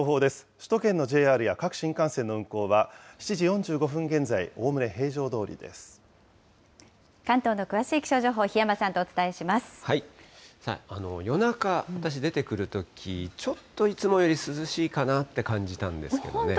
首都圏のＪＲや各新幹線の運行は、７時４５分現在、関東の詳しい気象情報、夜中、私出てくるとき、ちょっといつもより涼しいかな？って感じたんですけどね。